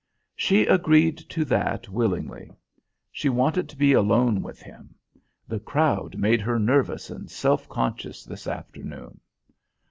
She agreed to that willingly. She wanted to be alone with him. The crowd made her nervous and self conscious this afternoon.